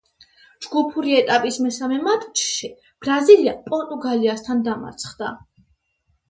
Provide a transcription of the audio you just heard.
ჯგუფური ეტაპის მესამე მატჩში ბრაზილია პორტუგალიასთან დამარცხდა.